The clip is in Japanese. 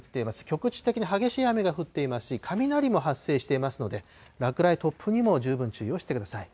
局地的に激しい雨が降っていますし、雷も発生していますので、落雷、突風にも十分注意をしてください。